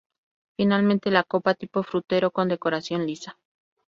Finalmente la copa tipo frutero con decoración lisa.